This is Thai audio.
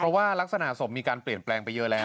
เพราะว่ารักษณะศพมีการเปลี่ยนแปลงไปเยอะแล้ว